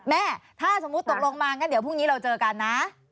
แม่ถ้าสมมติตกลงมาก็ก็พรุ่งนี้เราเจอกันนะ